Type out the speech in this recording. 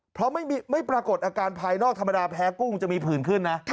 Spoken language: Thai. เพราะไม่ปรากฏอาการภายนอกธรรมดาแพ้กุ้งจะมีผื่นขึ้นนะ